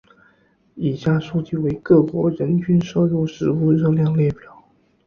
以下数据为各国人均摄入食物热量列表。